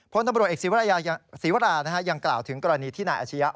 พนับรวจเอกสิวรายังกล่าวถึงกรณีที่นายอาชญา